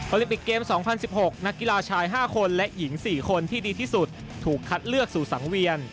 โอลิมปิตเกมสองพันสิบหกนักกีฬาชายห้าคนและหญิงสี่คนที่ดีที่สุดถูกคัดเลือกสู่สังเวียน